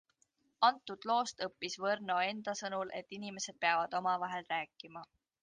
Antud loost õppis Võrno enda sõnul, et inimesed peavad omavahel rääkima.